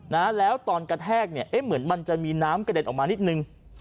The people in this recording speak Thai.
นะแล้วตอนกระแทกเนี่ยเอ๊ะเหมือนมันจะมีน้ำกระเด็นออกมานิดนึง